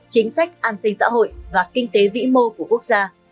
chính sách an sinh xã hội và kinh tế vĩ mô của quốc gia